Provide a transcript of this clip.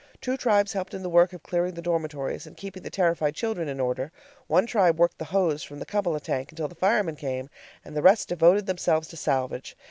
Two tribes helped in the work of clearing the dormitories and keeping the terrified children in order. One tribe worked the hose from the cupola tank until the firemen came, and the rest devoted themselves to salvage.